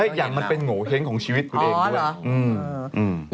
และอย่างมันเป็นโหเห้งของชีวิตตัวเองด้วยอ๋อเหรอ